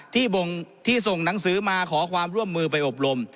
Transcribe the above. ที่ส่งหนังสือมาขอความร่วมมือไปอบรม